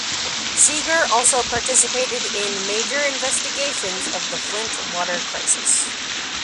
Seeger also participated in major investigations of the Flint water crisis.